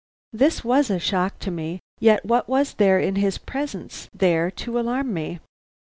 This was a shock to me, yet what was there in his presence there to alarm me?